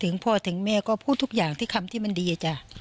ถึงพ่อถึงแม่ก็พูดทุกอย่างที่คำที่มันดีอะ